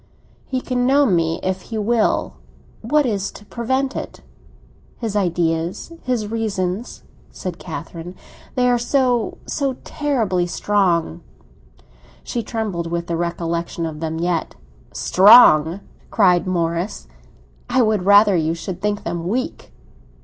"He can know me if he will. What is to prevent it?" "His ideas, his reasons," said Catherine. "They are so—so terribly strong." She trembled with the recollection of them yet. "Strong?" cried Morris. "I would rather you should think them weak."